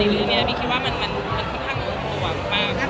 นี้ผมคิดว่าคิดว่ามันก็พอถึงตัวมาก